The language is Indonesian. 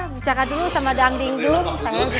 bicara dulu sama danding dulu